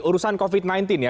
urusan covid sembilan belas ya